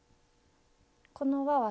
この輪は。